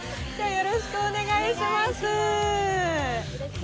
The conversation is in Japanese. よろしくお願いします。